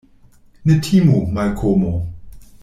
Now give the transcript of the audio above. Ne timu, Malkomo.